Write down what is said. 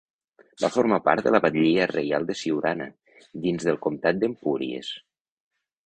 Va formar part de la batllia reial de Siurana, dins del Comtat d'Empúries.